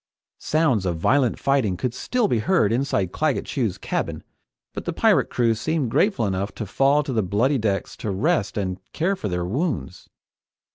Sounds of violent fighting could still be heard inside Claggett Chew's cabin, but the pirate crew seemed grateful enough to fall to the bloody decks to rest and care for their wounds.